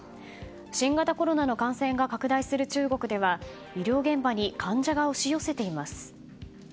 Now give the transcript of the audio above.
新型コロナの感染が拡大する中国では医療現場に患者が押し寄せています。